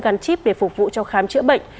gắn chip để phục vụ cho khám chữa bệnh